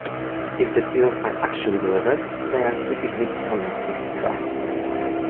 If the pills are actually delivered, they are typically counterfeit drugs.